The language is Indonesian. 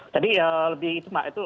jadi lebih itu mbak